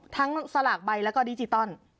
สลากใบแล้วก็ดิจิตอล